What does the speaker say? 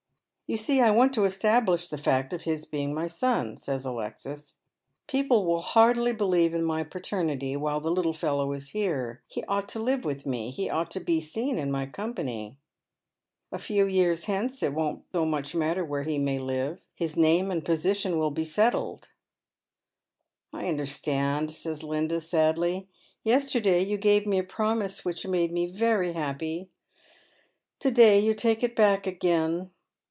" You see I want to establish the fact of his being my son," says Atexis. " People will hardly believe in my paternity while 316 Bead ATerCs Shoes. the little fellow is here. He ought to live with me — he ought to be seen in my company. A few years hence it won't so much matter where he may live. His name and position will be Bettled." " I understand," says Linda, sadly. " Yesterday you gave me a promise which made me very happy ; to day you take it back again."